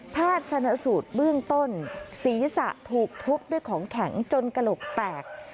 ชนะสูตรเบื้องต้นศีรษะถูกทุบด้วยของแข็งจนกระโหลกแตก